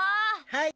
はい！